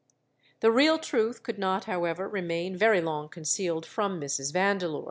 The real truth could not, however, remain very long concealed from Mrs. Vandeleur.